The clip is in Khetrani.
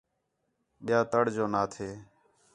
ٻِیا تَڑ جو نا تھے